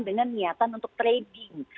dengan niatan untuk trading